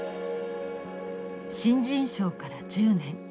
新人賞から１０年。